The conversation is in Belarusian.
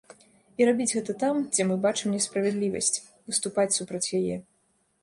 І рабіць гэта там, дзе мы бачым несправядлівасць, выступаць супраць яе.